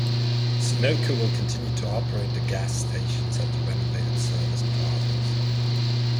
Sunoco will continue to operate the gas stations at the renovated service plazas.